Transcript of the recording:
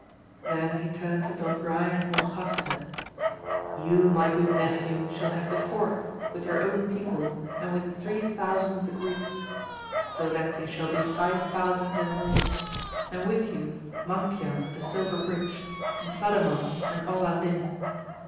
Then he turned to Don Brian of Monjaste You my good nephew shall have the fourth, with your own people, and with three thousand of the Greeks ; so that ye shall be five thousand in all, and with you Manciau of the Silver Bridge and Sadamon and Orlandin.